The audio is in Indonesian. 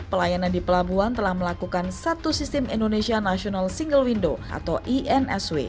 pelayanan di pelabuhan telah melakukan satu sistem indonesia national single window atau insw